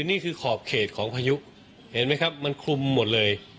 นี่คือขอบเขตของพายุเห็นไหมครับมันคลุมหมดเลย